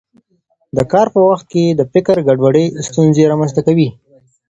د کار په وخت کې د فکر ګډوډي ستونزې رامنځته کوي.